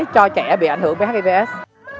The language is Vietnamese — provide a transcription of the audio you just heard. cho trẻ bị ảnh hưởng bởi hivs